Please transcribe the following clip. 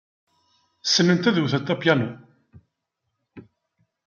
Ssnent ad wtent apyanu.